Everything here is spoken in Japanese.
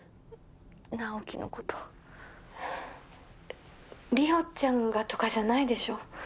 直木のこと☎莉桜ちゃんがとかじゃないでしょ